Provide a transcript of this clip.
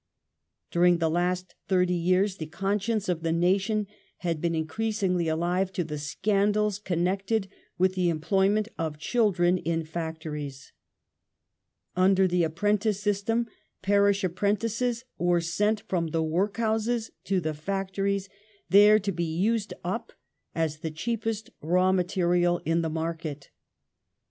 During the last thirty years the conscience of the nation had become increasingly alive to the scandals connected with the employment of children in factories. Under the "apprentice system," parish apprentices were sent from the workhouses to the factories, there to lae " used up " as the "cheapest raw material in the market".